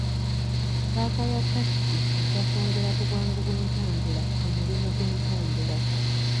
Paaka ya takisi ejja kwongera ku bwangu bw'entambula mu mulimu gw'entambula.